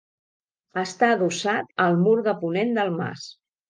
Està adossat al mur de ponent del mas.